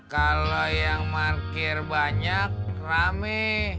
kalau yang parkir banyak rame